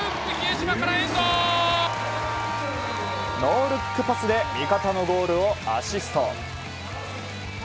ノールックパスで味方のゴールをアシスト。